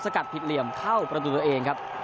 กัดผิดเหลี่ยมเข้าประตูตัวเองครับ